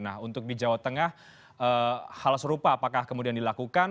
nah untuk di jawa tengah hal serupa apakah kemudian dilakukan